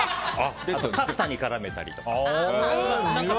パスタに絡めたりとか。